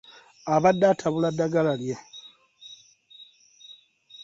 Abadde atabula ddagala lye.